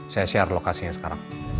saya share lokasinya sekarang